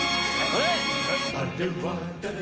あれ⁉